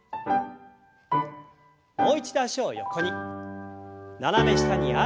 もう一度脚を横に。